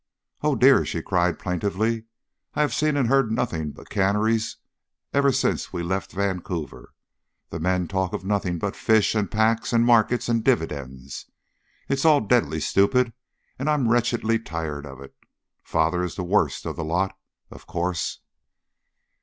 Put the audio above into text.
Oh, dear!" she cried, plaintively, "I have seen and heard nothing but canneries ever since we left Vancouver. The men talk nothing but fish and packs and markets and dividends. It's all deadly stupid, and I'm wretchedly tired of it. Father is the worst of the lot, of course."